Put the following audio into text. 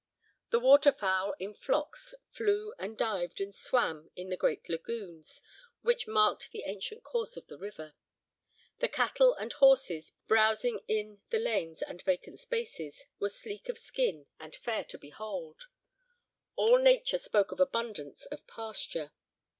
The water fowl in flocks flew and dived and swam in the great lagoons, which marked the ancient course of the river. The cattle and horses browsing in the lanes and vacant spaces, were sleek of skin, and fair to behold. All nature spoke of abundance of pasture.